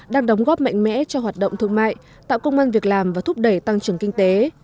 đang đóng góp mạnh mẽ cho hoạt động thương mại tạo công an việc làm và thúc đẩy tăng trưởng kinh tế